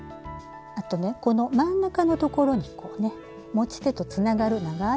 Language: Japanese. あとねこの真ん中のところにこうね持ち手とつながる長い。